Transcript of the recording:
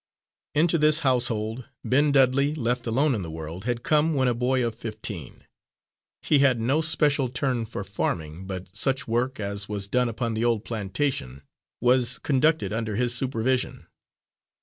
Into this household Ben Dudley, left alone in the world, had come when a boy of fifteen. He had no special turn for farming, but such work as was done upon the old plantation was conducted under his supervision.